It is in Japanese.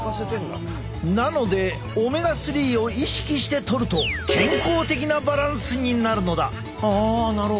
なのでオメガ３を意識してとると健康的なバランスになるのだ。